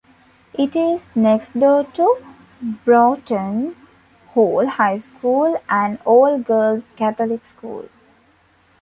It is next-door to Broughton Hall High School, an all-girls Catholic school.